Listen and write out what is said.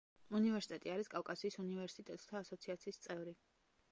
უნივერსიტეტი არის კავკასიის უნივერსიტეტთა ასოციაციის წევრი.